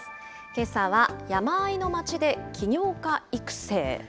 けさは、山あいの町で起業家育成。